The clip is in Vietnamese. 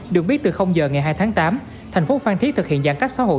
được biết từ giờ ngày hai tháng tám thành phố phan thiết thực hiện giãn cách xã hội